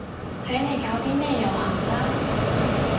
睇你搞啲咩遊行啦